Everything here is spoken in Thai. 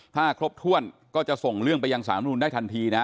ถ้าครบถ้วนก็จะส่งเรื่องไปยังสารมนุนได้ทันทีนะฮะ